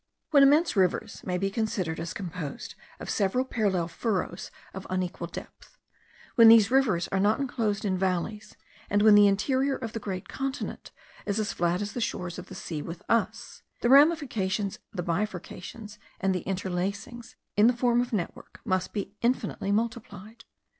When immense rivers may be considered as composed of several parallel furrows of unequal depth; when these rivers are not enclosed in valleys; and when the interior of the great continent is as flat as the shores of the sea with us; the ramifications, the bifurcations, and the interlacings in the form of net work, must be infinitely multiplied.